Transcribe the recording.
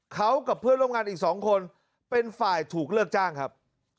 เขากับเพื่อนร่วมงานอีก๒คนเป็นฝ่ายถูกเลิกจ้างครับ